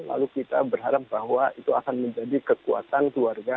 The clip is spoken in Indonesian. lalu kita berharap bahwa itu akan menjadi kekuatan keluarga